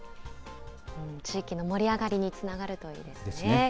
地域の盛り上がりにつながるといいですね。